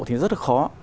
thì rất là khó